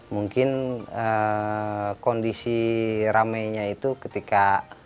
mungkin kondisi rame nya itu ketika